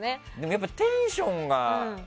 やっぱりテンションが。